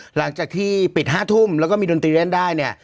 หลังจากที่ปิด๕ทุ่มแล้วก็มีดนตรีเล่นได้เนี่ย